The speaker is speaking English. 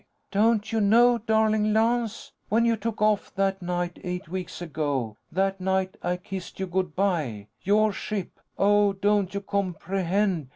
"Don't you know, darling Lance? When you took off that night eight weeks ago, that night I kissed you good by, your ship ... oh don't you comprehend?...